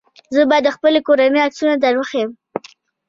زه به د خپلې کورنۍ عکسونه دروښيم.